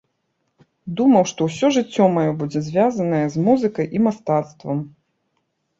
Думаў, што ўсё жыццё маё будзе звязанае з музыкай і мастацтвам.